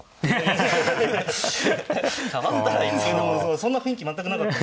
そんな雰囲気全くなかったんで。